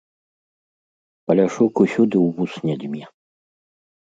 Паляшук усюды ў вус не дзьме.